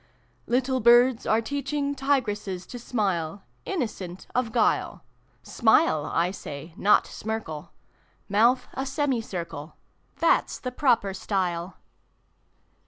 Little Birds are teaching Tigresses to smile, Innocent of guile : Smile, I say, not smirkle Month a semicircle, That's the proper style